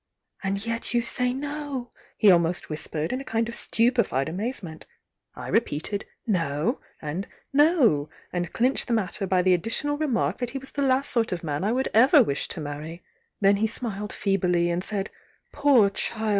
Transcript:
'And yet you say No?' he almost whispered, in a kind of stupefied amazement. I repeated 'No'— and 'No,' —and clinched the matter by the additional re mark that he was the last sort of man I would ever wish to marry. Then he smiled feebly, and said Poor child!